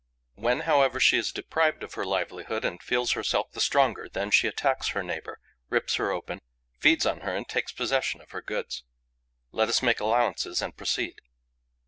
When, however, she is deprived of her livelihood and feels herself the stronger, then she attacks her neighbour, rips her open, feeds on her and takes possession of her goods. Let us make allowances and proceed.